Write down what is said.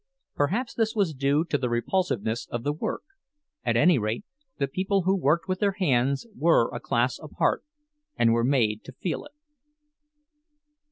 Perhaps this was due to the repulsiveness of the work; at any rate, the people who worked with their hands were a class apart, and were made to feel it.